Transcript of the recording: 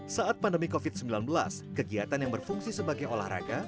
saat pandemi covid sembilan belas kegiatan yang berfungsi sebagai olahraga